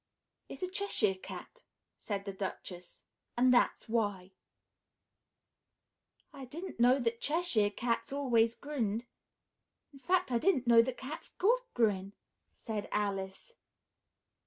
"It's a Cheshire Cat," said the Duchess, "and that's why." "I didn't know that Cheshire Cats always grinned; in fact, I didn't know that cats could grin," said Alice.